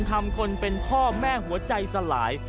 ทำคนเป็นพ่อแม่หัวใจสลาย